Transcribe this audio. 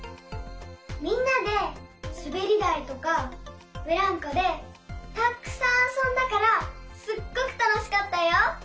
みんなですべりだいとかブランコでたっくさんあそんだからすっごくたのしかったよ。